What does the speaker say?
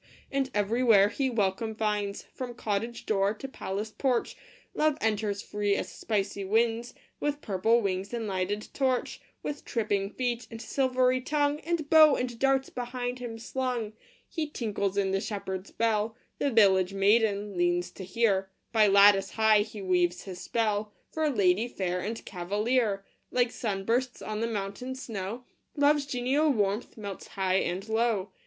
And everywhere he welcome finds, From cottage door to palace porch Love enters free as spicy winds, With purple wings and lighted torch, With tripping feet and silvery tongue, And bow and darts behind him slung. He tinkles in the shepherd s bell The village maiden leans to hear By lattice high he weaves his spell, For lady fair and cavalier : Like sun bursts on the mountain snow, Love s genial warmth melts high and low.